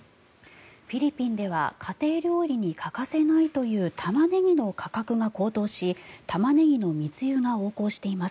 フィリピンでは家庭料理に欠かせないというタマネギの価格が高騰しタマネギの密輸が横行しています。